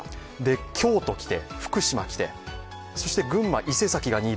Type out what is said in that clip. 京都来て、福島来て、そして、群馬伊勢崎が２位。